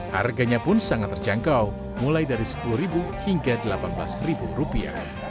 harganya pun sangat terjangkau mulai dari sepuluh hingga delapan belas rupiah